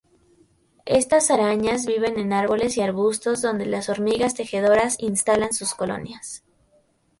Estas arañas viven en árboles y arbustos donde las hormigas tejedoras instalan sus colonias.